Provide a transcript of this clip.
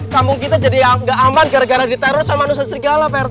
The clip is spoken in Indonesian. kampung kita jadi gak aman gara gara diteror sama manusia serigala prt